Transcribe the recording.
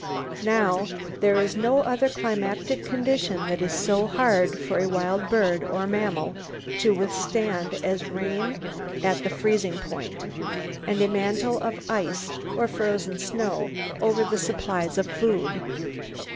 Now, there is no other climatic condition that is so hard for a wild bird or mammal to withstand as rain at the freezing point, and a mantle of ice or frozen snow over all supplies of food.